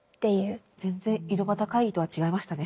全然井戸端会議とは違いましたね。